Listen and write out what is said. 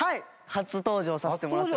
初登場させてもらってます。